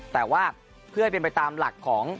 แต่ว่าเพื่อให้เป็นไปตามหลักของ